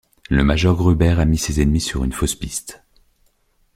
Le Major Grubert a mis ses ennemis sur une fausse piste.